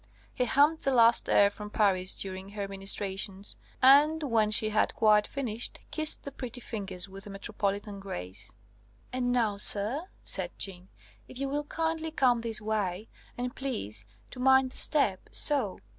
He hummed the last air from Paris during her ministrations, and when she had quite finished, kissed the pretty fingers with a metropolitan grace. "And now, sir," said Jeanne, "if you will kindly come this way: and please to mind the step so.